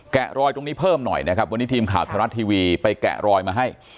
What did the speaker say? รอยตรงนี้เพิ่มหน่อยนะครับวันนี้ทีมข่าวไทยรัฐทีวีไปแกะรอยมาให้